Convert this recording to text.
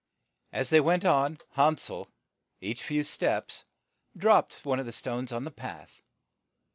As they went on, Han sel each few steps dropped one of the stones on the path.